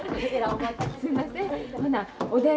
すんません。